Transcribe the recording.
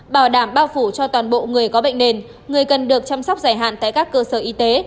bảo đảm bao phủ cho toàn bộ người có bệnh nền người cần được chăm sóc dài hạn tại các cơ sở y tế